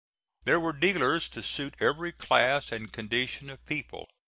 There were dealers to suit every class and condition of people.